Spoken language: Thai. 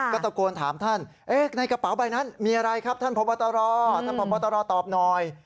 ก็ตะโกนถามท่านในกระเป๋าใบนั้นมีอะไรครับท่านพบตรท่านพบตรตอบหน่อย